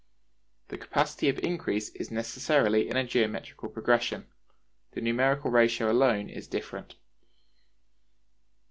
The capacity of increase is necessarily in a geometrical progression: the numerical ratio alone is different.